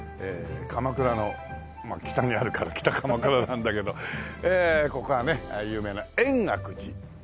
鎌倉の北にあるから北鎌倉なんだけどここはね有名な円覚寺という事でね。